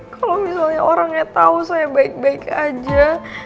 kalau misalnya orangnya tahu saya baik baik aja